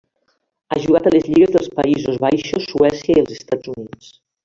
Ha jugat a les lligues dels Països Baixos, Suècia i els Estats Units.